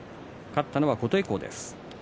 勝ったのは琴恵光です。